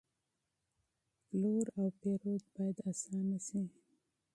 پلور او پېرود باید آسانه شي.